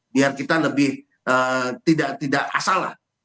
biar kita lebih tidak asalah